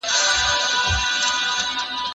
کله چي هغه خبري پیل کړې، نو ټوله چوپ سول.